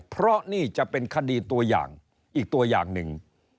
เพราะนี่จะเป็นคดีตัวอย่างอีกตัวอย่างหนึ่ง